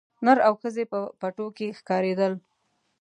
نر او ښځي په پټو کښي ښکارېدل